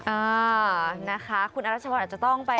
อ่านะคะคุณอรัชพรอาจจะต้องไป